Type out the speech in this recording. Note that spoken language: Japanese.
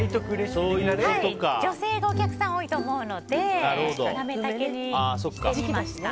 女性のお客さんが多いと思うのでなめ茸にしてみました。